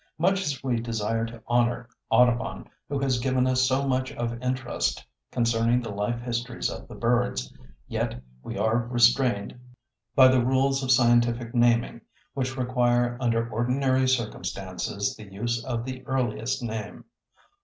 Much as we desire to honor Audubon, who has given us so much of interest concerning the life histories of the birds, yet we are restrained by the rules of scientific naming, which require under ordinary circumstances, the use of the earliest name.